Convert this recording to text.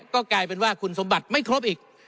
ก็กลายเป็นว่าคุณสมบัติไม่ครบอีก